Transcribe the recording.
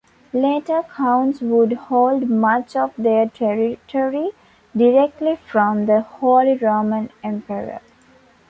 Later counts would hold much of their territory directly from the Holy Roman Emperor.